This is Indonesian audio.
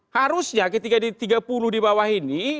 harusnya ketika di tiga puluh di bawah ini